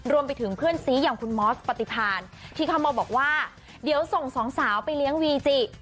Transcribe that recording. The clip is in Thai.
รวมไปถึงเพื่อนซีอย่างคุณมอสปฏิพานที่เข้ามาบอกว่าเดี๋ยวส่งสองสาวไปเลี้ยงวีจิ